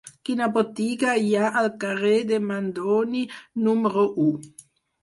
Quina botiga hi ha al carrer de Mandoni número u?